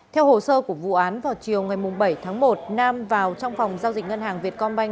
theo hồ sơ của vụ án vào chiều ngày bảy tháng một nam vào trong phòng giao dịch ngân hàng việt công banh